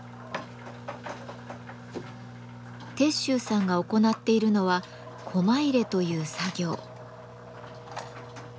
鉄舟さんが行っているのはコマ入れという作業。